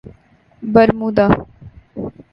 Bermuda